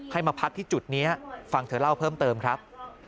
มาพักที่จุดนี้ฟังเธอเล่าเพิ่มเติมครับ